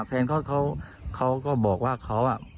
แฟนเขาก็บอกว่าเขา